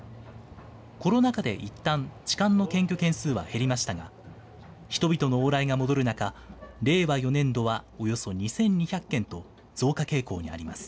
コロナ禍でいったん痴漢の検挙件数は減りましたが、人々の往来が戻る中、令和４年度はおよそ２２００件と、増加傾向にあります。